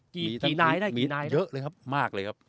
กี่นายได้นะครับมีเยอะเลยครับมากเลยครับ